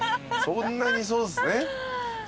そんなにそうっすね。